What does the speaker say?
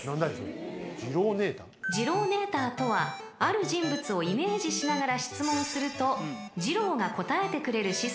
［ジローネーターとはある人物をイメージしながら質問するとジローが答えてくれるシステムです］